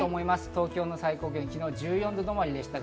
東京の最高気温、昨日１４度止まりでした。